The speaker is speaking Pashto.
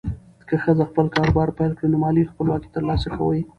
که ښځه خپل کاروبار پیل کړي، نو مالي خپلواکي ترلاسه کوي.